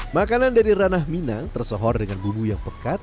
makanan dari ranah minang tersohor dengan bumbu yang pekat